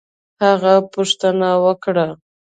هغه پوښتنه وکړه